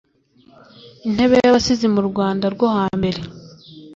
INTEBE Y'ABASIZI murwanda rwohambere